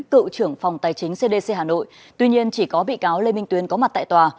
cựu trưởng phòng tài chính cdc hà nội tuy nhiên chỉ có bị cáo lê minh tuyến có mặt tại tòa